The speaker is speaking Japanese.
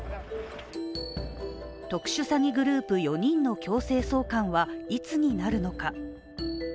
特殊詐欺グループ４人の強制送還はいつになるのか。